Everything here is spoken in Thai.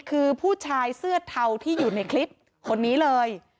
คือผู้ชายเสื้อเทาที่อยู่ในคลิปคนนี้เลย